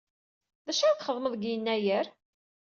D acu ara txedmeḍ deg Yennayer?